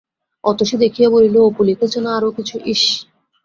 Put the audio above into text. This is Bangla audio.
অতসী দেখিয়া বলিল, অপু লিখেছে না আরও কিছু-ইস!